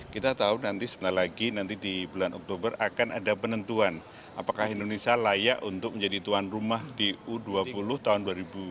kita tahu nanti sebentar lagi nanti di bulan oktober akan ada penentuan apakah indonesia layak untuk menjadi tuan rumah di u dua puluh tahun dua ribu dua puluh tiga